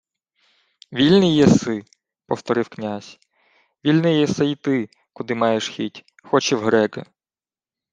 — Вільний єси, — повторив князь. — Вільний єси йти, куди маєш хіть. Хоч і в греки.